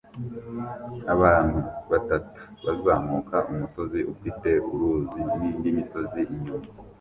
Abantu batatu bazamuka umusozi ufite uruzi nindi misozi inyuma